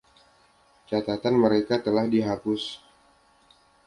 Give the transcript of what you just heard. Catatan mereka telah dihapus.